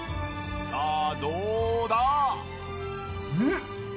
さあどうだ？